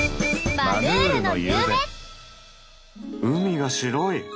海が白い！